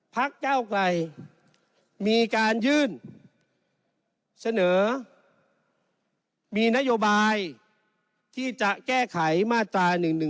พักเก้าไกลมีการยื่นเสนอมีนโยบายที่จะแก้ไขมาตรา๑๑๒